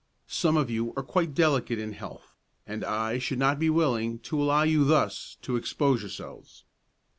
Some of you are quite delicate in health, and I should not be willing to allow you thus to expose yourselves.